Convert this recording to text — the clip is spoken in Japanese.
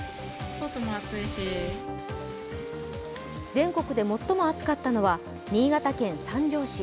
全国で最も暑かったのは新潟県三条市。